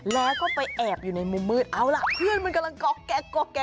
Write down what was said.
แดบอยู่ในมุมมืดเอาล่ะเพื่อนมันกำลังกรอกแกรก